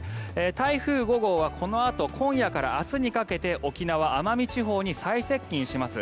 台風５号はこのあと今夜から明日にかけて沖縄・奄美地方に最接近します。